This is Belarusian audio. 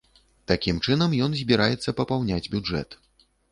Такім чынам ён збіраецца папаўняць бюджэт.